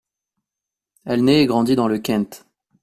Elle naît et grandit dans le Kent.